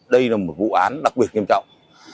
đây là một vụ án đặc biệt nghiêm trọng